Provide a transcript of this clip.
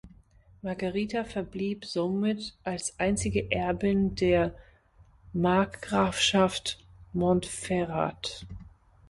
Margherita verblieb somit als einzige Erbin der Markgrafschaft Montferrat.